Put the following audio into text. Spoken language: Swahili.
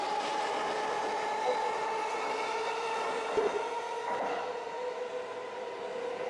Kidogo akaona wingi wa nyaraka kwenye shelfu zilizokuwa chumbani humo